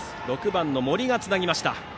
６番の森がつなぎました。